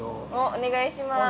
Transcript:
◆お願いします。